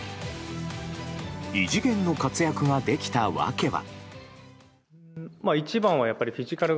異次元の活躍ができた訳は。